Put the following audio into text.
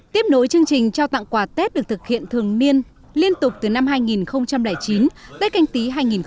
tiếp nối chương trình trao tặng quà tết được thực hiện thường niên liên tục từ năm hai nghìn chín tết canh tí hai nghìn hai mươi